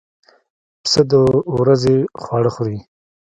پسه د ورځې خواړه خوري.